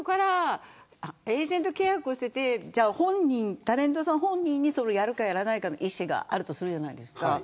エージェント契約をしていてタレントさん本人にそれをやるかやらないかの意思があるとするじゃないですか。